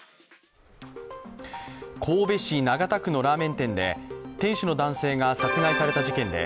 神戸市長田区のラーメン店で店主の男性が殺害された事件で